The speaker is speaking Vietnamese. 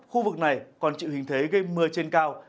khu vực này còn chịu hình thế gây mưa trên cao